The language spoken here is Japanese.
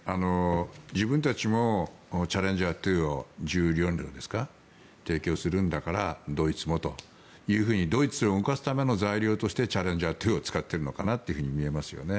自分たちもチャレンジャー２を１４両ですか提供するんだからドイツもというふうにドイツを動かすための材料としてチャレンジャー２を使っているのかなと見えますよね。